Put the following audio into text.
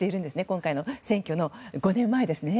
今回の選挙の５年前ですね。